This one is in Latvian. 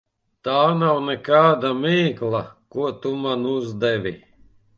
Tā nav nekāda mīkla, ko tu man uzdevi.